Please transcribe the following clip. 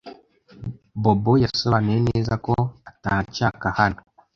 Bobo yasobanuye neza ko atanshaka hano.